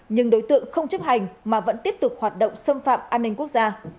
nhưng đối tượng không chấp hành mà vẫn tiếp tục hoạt động xâm phạm an ninh quốc gia